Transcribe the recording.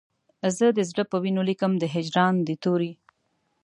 زه د زړه په وینو لیکم د هجران د توري